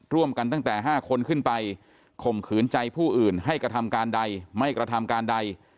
ตั้งแต่๕คนขึ้นไปข่มขืนใจผู้อื่นให้กระทำการใดไม่กระทำการใด